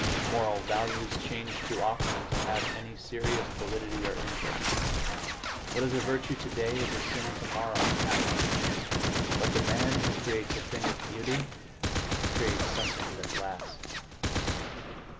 Moral values change too often to have any serious validity or interest; what is a virtue today is a sin tomorrow. But the man who creates a thing of beauty creates something that lasts.